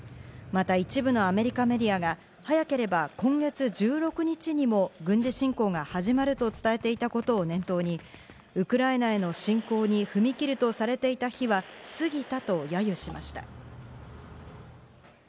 また一部のアメリカメディアが早ければ、今月１６日にも軍事侵攻が始まると伝えていたことを念頭にウクライナへの侵攻に踏み切るとされていた日は過ぎたと揶揄しました。